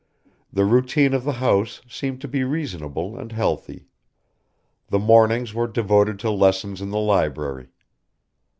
The routine of the house seemed to be reasonable and healthy. The mornings were devoted to lessons in the library.